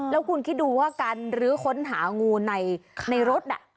แล้วคุณคิดดูว่าการรื้อค้นหางูในรถน่ะ